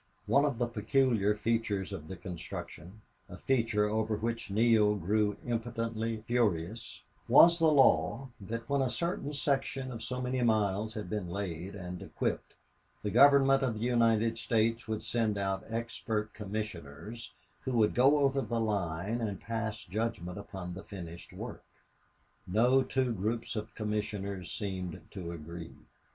One of the peculiar features of the construction, a feature over which Neale grew impotently furious, was the law that when a certain section of so many miles had been laid and equipped the Government of the United States would send out expert commissioners, who would go over the line and pass judgment upon the finished work. No two groups of commissioners seemed to agree.